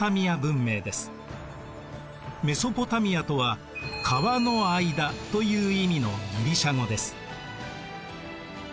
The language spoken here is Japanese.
メソポタミアとは川の間という意味のギリシア語です。